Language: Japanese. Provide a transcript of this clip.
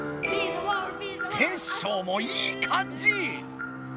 テッショウもいいかんじ！